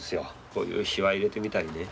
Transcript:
こういうしわを入れてみたりね。